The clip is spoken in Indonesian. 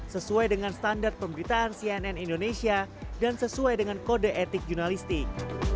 sesuai dengan standar pemberitaan cnn indonesia dan sesuai dengan kode etik jurnalistik